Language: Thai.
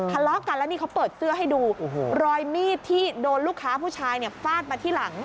ทะเลาะกันแล้วนี่เขาเปิดเสื้อให้ดูรอยมีดที่โดนลูกค้าผู้ชายเนี่ยฟาดมาที่หลัง